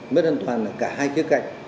mất an toàn là cả hai kia cảnh